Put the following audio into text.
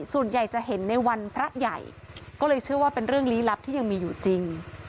ส่วนใหญ่จะเห็นในวันพระใหญ่ก็เลยเชื่อว่าเป็นเรื่องลี้ลับที่ยังมีอยู่จริง